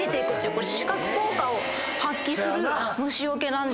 これ視覚効果を発揮する虫よけなんです。